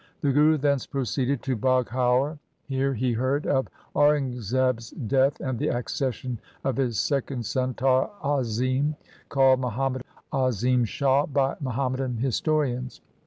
The Guru thence proceeded to Baghaur. Here he heard of Aurangzeb's death and the accession of his second son Tara Azim, called Muhammad Azim Shah by Muhammadan historians.